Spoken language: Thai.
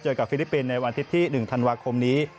กับฟิลิปปินส์ในวันอาทิตย์ที่๑ธันวาคมนี้